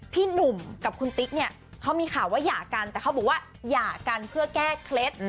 พี่หนุ่มกับคุณติ๊กเนี่ยเขามีข่าวว่าหย่ากันแต่เขาบอกว่าหย่ากันเพื่อแก้เคล็ด